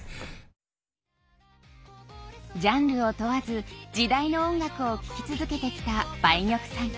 ジャンルを問わず時代の音楽を聴き続けてきた梅玉さん。